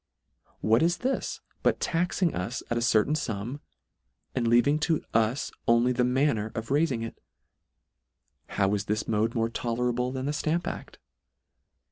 What is this but taxing us at a certain Jam, and leaving to us only the ttia?iner of raifing it? How is this mode more tolerable than the Stamp act